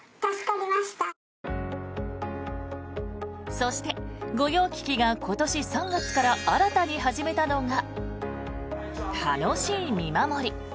そして御用聞きが今年３月から新たに始めたのが楽しい見守り。